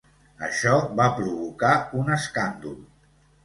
Això va provocar un escàndol.